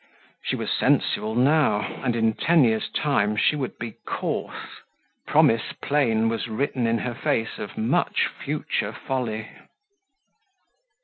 She was sensual now, and in ten years' time she would be coarse promise plain was written in her face of much future folly.